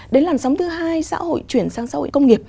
đến làn sóng thứ hai xã hội chuyển sang xã hội công nghiệp